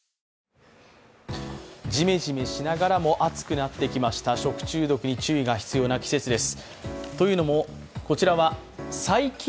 ジメジメしながらも暑くなってきました食中毒に注意が必要な季節です。